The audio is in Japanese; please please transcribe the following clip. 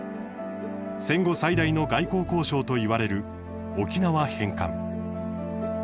戦後最大の外交交渉といわれる沖縄返還。